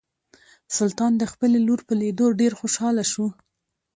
سلطان د خپلې لور په لیدو ډیر خوشحاله شو.